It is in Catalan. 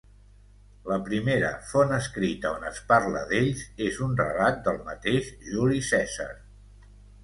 La primera font escrita on es parla d'ells és un relat del mateix Juli Cèsar.